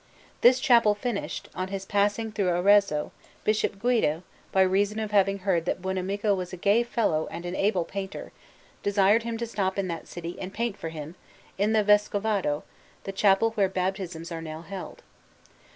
This chapel finished, on his passing through Arezzo, Bishop Guido, by reason of having heard that Buonamico was a gay fellow and an able painter, desired him to stop in that city and paint for him, in the Vescovado, the chapel where baptisms are now held.